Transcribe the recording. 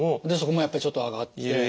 でそこもやっぱりちょっと上がって。